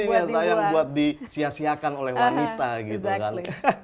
dirinya sayang buat disiasiakan oleh wanita gitu kan